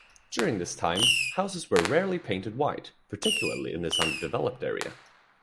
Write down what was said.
During this time, houses were rarely painted white, particularly in this underdeveloped area.